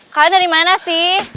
kalian dari mana sih